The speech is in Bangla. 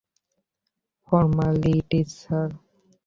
Formalities, sir.